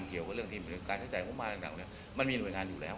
เกี่ยวกับเรื่องทีมการใช้จ่ายงบมารต่างมันมีหน่วยงานอยู่แล้ว